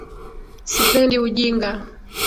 Sipendi ujinga